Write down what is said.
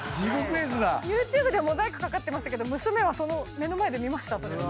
ＹｏｕＴｕｂｅではモザイクかかってましたけど娘は目の前で見ましたそれを。